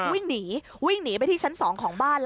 วิ่งหนีวิ่งหนีไปที่ชั้น๒ของบ้าน